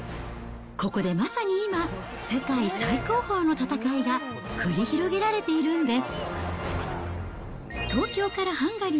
ここでまさに今、世界最高峰の戦いが、繰り広げられているんです。